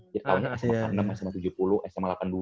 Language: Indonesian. dia tau sma enam sma tujuh puluh sma delapan puluh dua